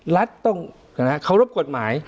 รัฐต้องเคารพกฎหมาย